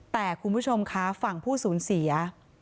แต่คุณผู้ชมคะฝั่งผู้สูญเสีย